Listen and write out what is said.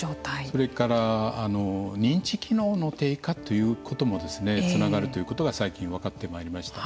それから認知機能の低下ということもつながるということが最近、分かってまいりました。